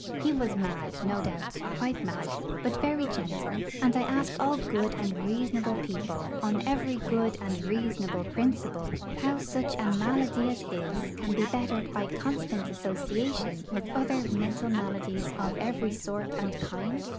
He was mad, no doubt, quite mad, but very gentle; and I ask all good and reasonable people, on every good and reasonable principle, how such a malady as his can be bettered by constant association with other mental maladies of every sort and kind?